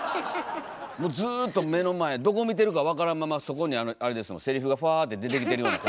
もうずっと目の前どこ見てるか分からんままそこにセリフがふわって出てきてるような。